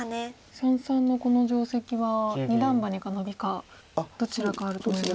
三々のこの定石は二段バネかノビかどちらかあると思いますが。